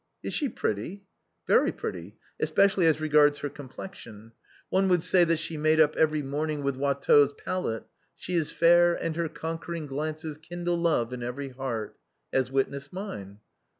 " Is she pretty ?"" Very pretty, especially as regards her complexion ; one would say that she made up every morning with Wat teau's palette, ' She is fair, and her conquering glances kindle love in every heart.' As witness mine."